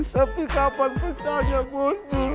tapi kapan pecahnya muncul